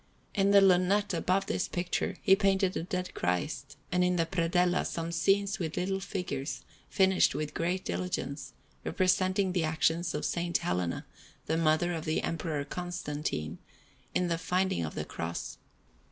In the lunette above this picture he painted a Dead Christ, and in the predella some scenes with little figures, finished with great diligence, representing the actions of S. Helena, the mother of the Emperor Constantine, in the finding of the Cross.